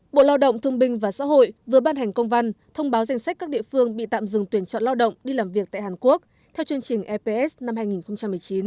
bộ lao động thương binh và xã hội vừa ban hành công văn thông báo danh sách các địa phương bị tạm dừng tuyển chọn lao động đi làm việc tại hàn quốc theo chương trình eps năm hai nghìn một mươi chín